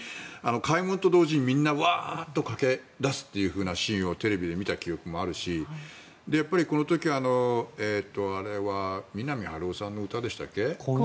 開門と同時にみんなワーッと駆け出すシーンをテレビで見た記憶もあるしこの時はあれは三波春夫さんの歌でしたっけ。